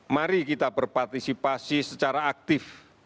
mari kita berpartisipasi secara aktif